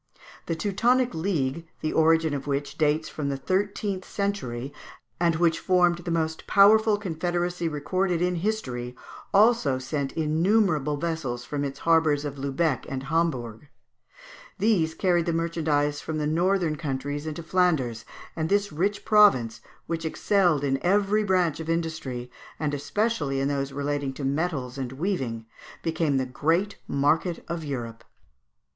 The Teutonic league, the origin of which dates from the thirteenth century, and which formed the most powerful confederacy recorded in history, also sent innumerable vessels from its harbours of Lubeck (Fig. 197) and Hamburg. These carried the merchandise of the northern countries into Flanders, and this rich province, which excelled in every branch of industry, and especially in those relating to metals and weaving, became the great market of Europe (Fig.